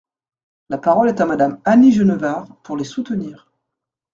La parole est à Madame Annie Genevard, pour les soutenir.